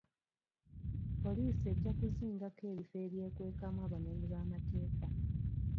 Poliisi ejja kuzingako ebifo ebyekwekamu abamenyi b'amateeka.